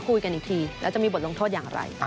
คุยกันอีกทีแล้วจะมีบทลงโทษอย่างไร